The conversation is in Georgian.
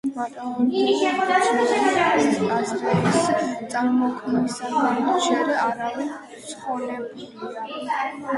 მარტოოდენ ბრძნული აზრების წარმოთქმისაგან ჯერ არავინ ცხონებულა.